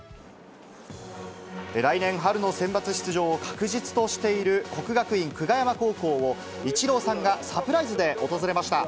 来年春のセンバツ出場を確実としている國學院久我山高校を、イチローさんがサプライズで訪れました。